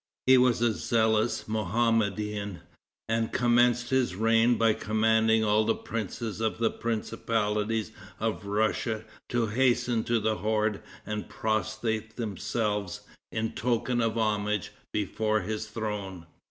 He was a zealous Mohammedan, and commenced his reign by commanding all the princes of the principalities of Russia to hasten to the horde and prostrate themselves, in token of homage, before his throne.